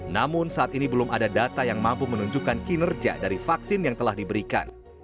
namun saat ini belum ada data yang mampu menunjukkan kinerja dari vaksin yang telah diberikan